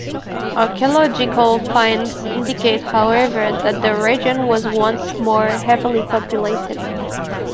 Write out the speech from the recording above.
Archeological finds indicate, however, that the region was once more heavily populated.